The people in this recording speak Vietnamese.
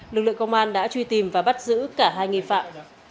lực lượng công an đã truy tìm và bắt giữ cả hai nghi phạm